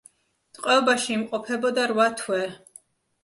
ტყვეობაში იმყოფებოდა რვა თვე.